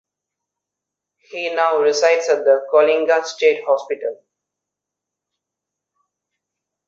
He now resides at the Coalinga State Hospital.